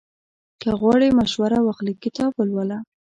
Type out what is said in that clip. که غواړې مشوره واخلې، کتاب ولوله.